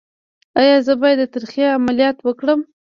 ایا زه باید د تریخي عملیات وکړم؟